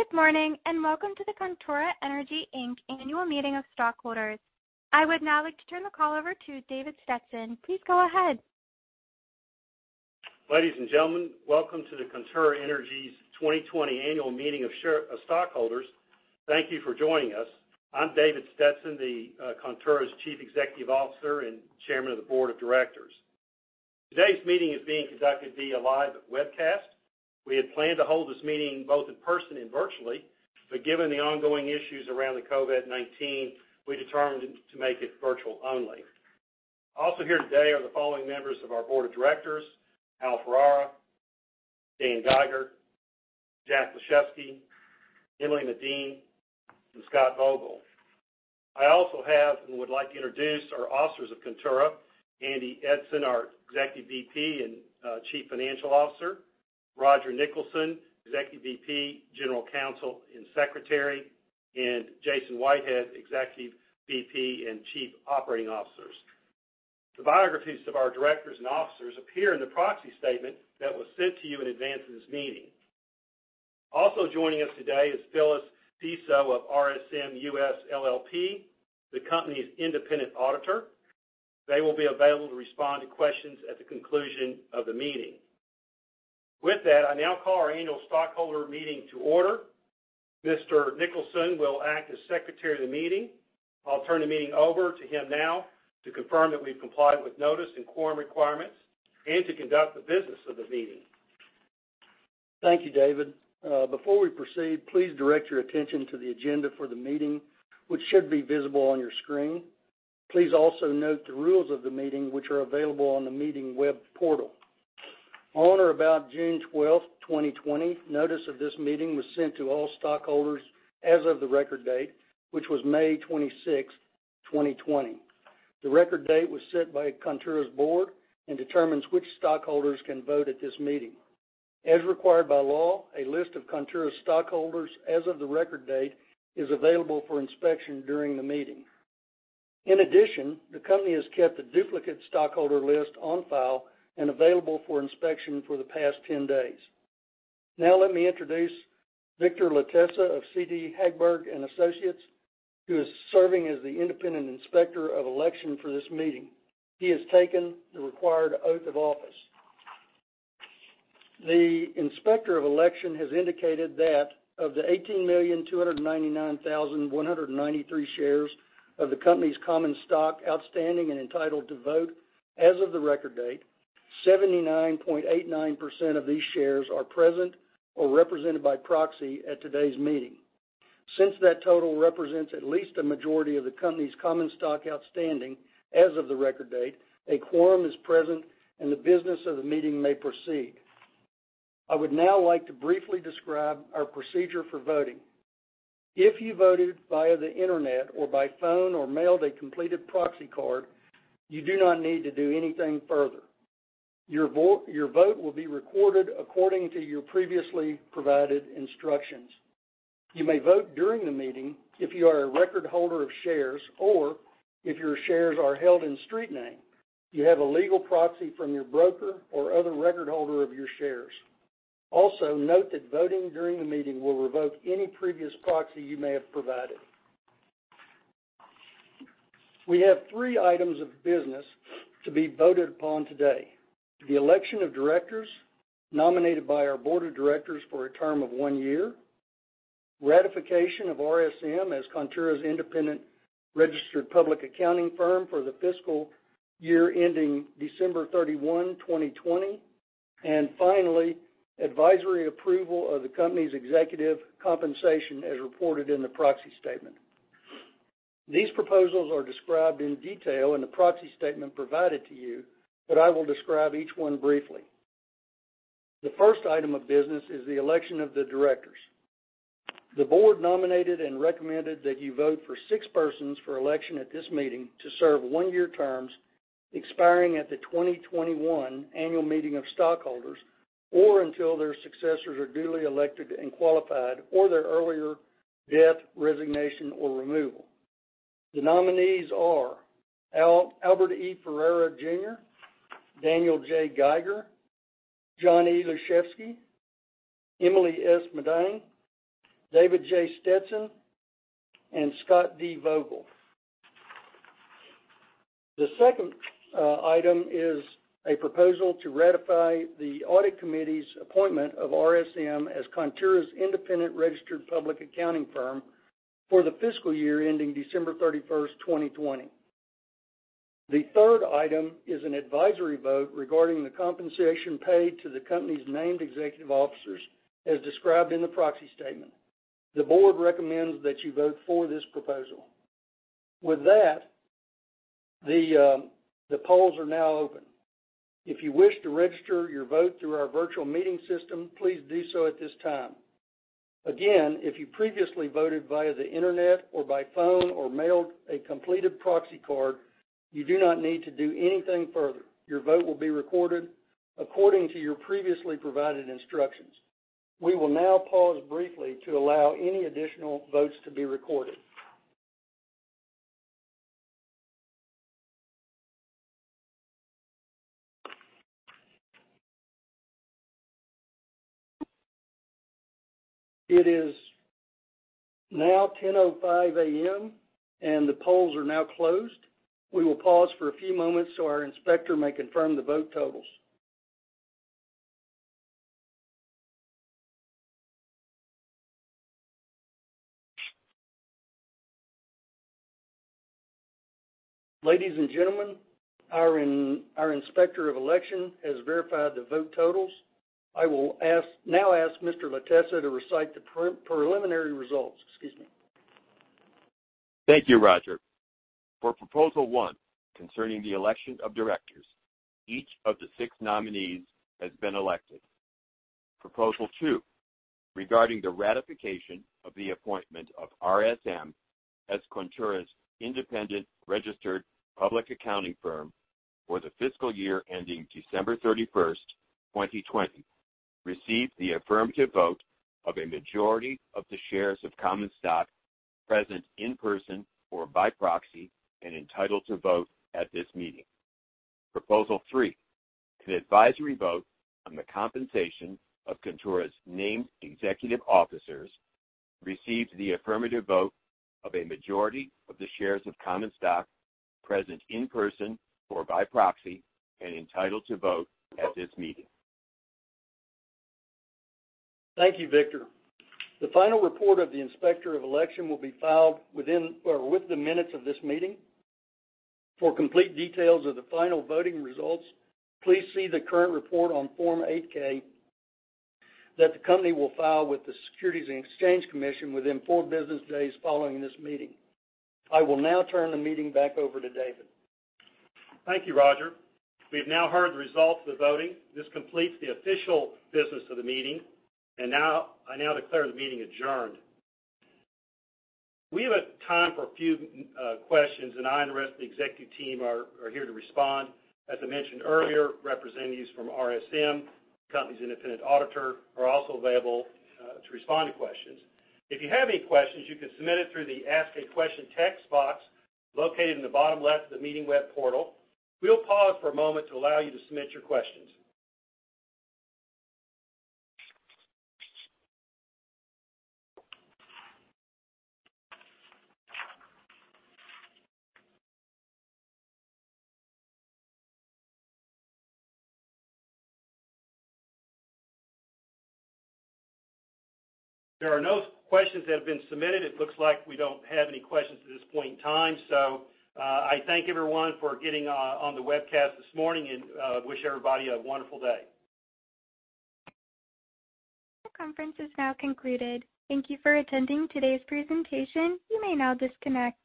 Good morning and welcome to the Contura Energy, Inc Annual Meeting of Stockholders. I would now like to turn the call over to David Stetson. Please go ahead. Ladies and gentlemen, welcome to the Contura Energy's 2020 Annual Meeting of Stockholders. Thank you for joining us. I'm David Stetson, the Contura's Chief Executive Officer and Chairman of the Board of Directors. Today's meeting is being conducted via live webcast. We had planned to hold this meeting both in person and virtually, but given the ongoing issues around the COVID-19, we determined to make it virtual only. Also here today are the following members of our Board of Directors: Al Ferrara, Dan Geiger, Jack Lushefski, Emily Medine, and Scott Vogel. I also have and would like to introduce our Officers of Contura: Andy Eidson, our Executive Vice President and Chief Financial Officer; Roger Nicholson, Executive Vice President, General Counsel and Secretary; and Jason Whitehead, Executive Vice President and Chief Operating Officer. The biographies of our Directors and Officers appear in the proxy statement that was sent to you in advance of this meeting. Also joining us today is Phyllis Deiso of RSM US LLP, the company's independent auditor. They will be available to respond to questions at the conclusion of the meeting. With that, I now call our annual stockholder meeting to order. Mr. Nicholson will act as Secretary of the meeting. I'll turn the meeting over to him now to confirm that we've complied with notice and quorum requirements and to conduct the business of the meeting. Thank you, David. Before we proceed, please direct your attention to the agenda for the meeting, which should be visible on your screen. Please also note the rules of the meeting, which are available on the meeting web portal. On or about June 12, 2020, notice of this meeting was sent to all stockholders as of the record date, which was May 26, 2020. The record date was set by Contura's Board and determines which stockholders can vote at this meeting. As required by law, a list of Contura's stockholders as of the record date is available for inspection during the meeting. In addition, the company has kept the duplicate stockholder list on file and available for inspection for the past 10 days. Now let me introduce Victor Latessa of CT Hagberg & Associates, who is serving as the independent Inspector of Election for this meeting. He has taken the required oath of office. The Inspector of Election has indicated that of the 18,299,193 shares of the company's common stock outstanding and entitled to vote as of the record date, 79.89% of these shares are present or represented by proxy at today's meeting. Since that total represents at least a majority of the company's common stock outstanding as of the record date, a quorum is present and the business of the meeting may proceed. I would now like to briefly describe our procedure for voting. If you voted via the internet or by phone or mailed a completed proxy card, you do not need to do anything further. Your vote will be recorded according to your previously provided instructions. You may vote during the meeting if you are a record holder of shares or if your shares are held in street name, you have a legal proxy from your broker or other record holder of your shares. Also, note that voting during the meeting will revoke any previous proxy you may have provided. We have three items of business to be voted upon today: the election of directors nominated by our Board of Directors for a term of one year, ratification of RSM as Contura's independent registered public accounting firm for the fiscal year ending December 31, 2020, and finally, advisory approval of the company's executive compensation as reported in the proxy statement. These proposals are described in detail in the proxy statement provided to you, but I will describe each one briefly. The first item of business is the election of the directors. The Board nominated and recommended that you vote for six persons for election at this meeting to serve one-year terms expiring at the 2021 annual meeting of stockholders or until their successors are duly elected and qualified or their earlier death, resignation, or removal. The nominees are: Albert E. Ferrara Jr., Daniel J. Geiger, John E. Lushefski, Emily S. Medine, David J. Stetson, and Scott D. Vogel. The second item is a proposal to ratify the Audit Committee's appointment of RSM as Contura's independent registered public accounting firm for the fiscal year ending December 31, 2020. The third item is an advisory vote regarding the compensation paid to the company's named executive officers as described in the proxy statement. The Board recommends that you vote for this proposal. With that, the polls are now open. If you wish to register your vote through our virtual meeting system, please do so at this time. Again, if you previously voted via the internet or by phone or mailed a completed proxy card, you do not need to do anything further. Your vote will be recorded according to your previously provided instructions. We will now pause briefly to allow any additional votes to be recorded. It is now 10:05 A.M. and the polls are now closed. We will pause for a few moments so our Inspector may confirm the vote totals. Ladies and gentlemen, our Inspector of Election has verified the vote totals. I will now ask Mr. Latessa to recite the preliminary results. Thank you, Roger. For Proposal 1, concerning the election of directors, each of the six nominees has been elected. Proposal 2, regarding the ratification of the appointment of RSM as Contura's independent registered public accounting firm for the fiscal year ending December 31, 2020, received the affirmative vote of a majority of the shares of common stock present in person or by proxy and entitled to vote at this meeting. Proposal 3, an advisory vote on the compensation of Contura's named executive officers, received the affirmative vote of a majority of the shares of common stock present in person or by proxy and entitled to vote at this meeting. Thank you, Victor. The final report of the Inspector of Election will be filed with the minutes of this meeting. For complete details of the final voting results, please see the current report on Form 8-K that the company will file with the Securities and Exchange Commission within four business days following this meeting. I will now turn the meeting back over to David. Thank you, Roger. We have now heard the results of the voting. This completes the official business of the meeting, and I now declare the meeting adjourned. We have time for a few questions, and I understand the executive team are here to respond. As I mentioned earlier, representatives from RSM, the company's independent registered public accounting firm, are also available to respond to questions. If you have any questions, you can submit it through the Ask a Question text box located in the bottom left of the meeting web portal. We'll pause for a moment to allow you to submit your questions. There are no questions that have been submitted. It looks like we don't have any questions at this point in time, so I thank everyone for getting on the webcast this morning and wish everybody a wonderful day. Conference is now concluded. Thank you for attending today's presentation. You may now disconnect.